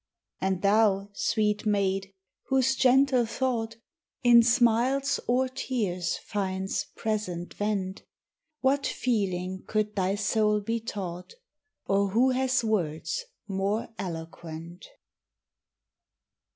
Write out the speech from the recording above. And thou, sweet maid, whose gentle thought In smiles or tears finds present vent, What feeling could thy soul be taught, Or who has words more eloquent?